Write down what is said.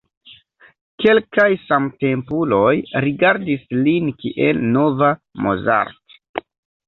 Kelkaj samtempuloj rigardis lin kiel nova Mozart.